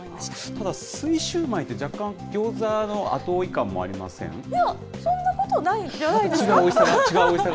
ただ、水シューマイって、若干、ギョーザの後追い感もありまいや、そんなことないんじゃ違うおいしさがある？